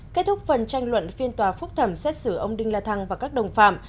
kết thúc phần tranh luận phiên tòa phúc thẩm xét xử ông đinh la thăng và các đồng phạm